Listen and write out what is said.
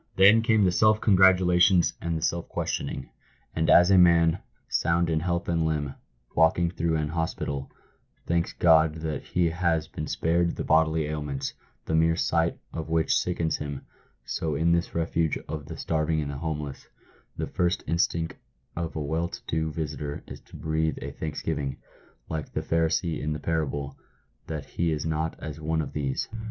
Then came the self congratulations and the self questionings ; and as a man, sound in health and limb, walking through an hospital, thanks God that he has been spared the bodily ailments, the mere sight of which sickens him, so in this refuge fop the starving and the homeless, the first instinct of the well to do visitor is to breathe a thanksgiving, like the pharisee in the parable, that " he is not as one of these."